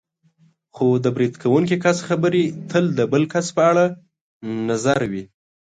خو د برید کوونکي کس خبرې تل د بل کس په اړه نظر وي.